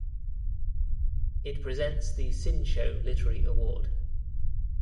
It presents the Shincho Literary Award.